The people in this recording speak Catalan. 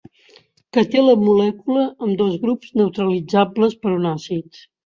Que té la molècula amb dos grups neutralitzables per un àcid.